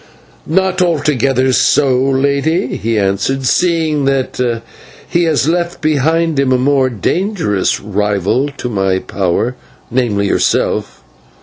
"Not altogether so, Lady," he answered, "seeing that he has left behind him a more dangerous rival to my power, namely, yourself.